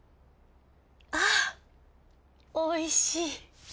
あおいしい。